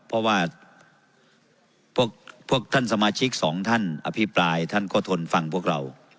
เพราะว่าพวกท่านสมาชิกสองท่านอภิปรายท่านก็ทนฟังพวกเรา